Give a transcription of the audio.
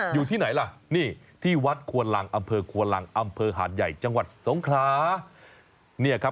อยู่ที่ไหนล่ะนี่ที่วัดควนลังอำเภอควนลังอำเภอหาดใหญ่จังหวัดสงครา